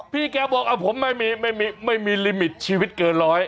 พี่แกบอกผมไม่มีไม่มีลิมิตชีวิตเกินร้อย